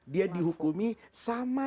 dia dihukumi sama